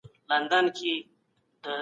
خپل فکر په مثبتو کارونو کي وکاروه.